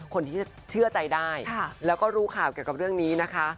คนที่เชื่อใจได้แล้วก็รู้ข่าวเกี่ยวกับเรื่องนี้นะคะ